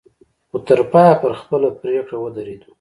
خو تر پايه پر خپله پرېکړه ودرېدو.